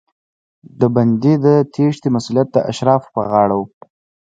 د بندي د تېښتې مسوولیت د اشرافو پر غاړه و.